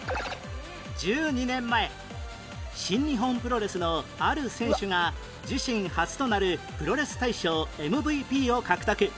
１２年前新日本プロレスのある選手が自身初となるプロレス大賞 ＭＶＰ を獲得